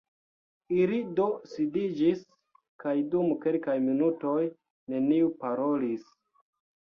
Ili do sidiĝis, kaj dum kelkaj minutoj neniu parolis.